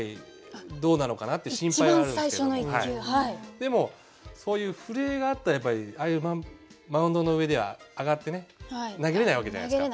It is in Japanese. でもそういう震えがあったらやっぱりマウンドの上では上がってね投げれないわけじゃないですか。